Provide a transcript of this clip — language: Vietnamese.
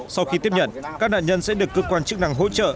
sau khi tiếp nhận các nạn nhân sẽ được cơ quan chức năng hỗ trợ